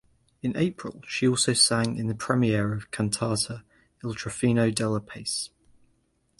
In April she also sang in the premiere of cantata "Il Trionfo della pace".